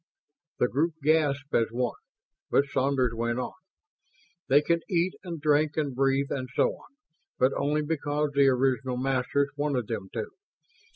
The group gasped as one, but Saunders went on: "They can eat and drink and breathe and so on, but only because the original Masters wanted them to.